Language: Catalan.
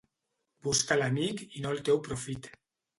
Busca l'amic i no el teu profit.